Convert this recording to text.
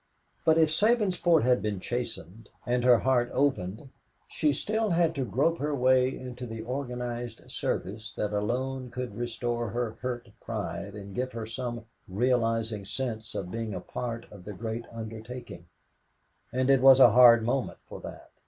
But if Sabinsport had been chastened and her heart opened, she still had to grope her way into the organized service that alone could restore her hurt pride and give her some realizing sense of being a part of the great undertaking; and it was a hard moment for that.